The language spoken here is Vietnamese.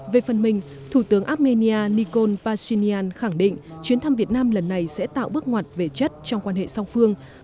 về phần mình thủ tướng armenia nikol pashinyan khẳng định chuyến thăm việt nam lần này sẽ tạo bước ngoặt về chất trong quan hệ song phương